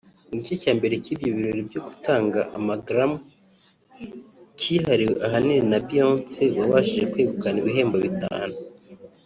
Igice cya mbere cy’ibyo birori byo gutanga ama grammy cyihariwe ahanini na Beyoncé wabashije kwegukana ibihembo bitanu